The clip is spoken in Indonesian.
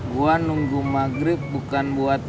gue nunggu maghrib bukan buat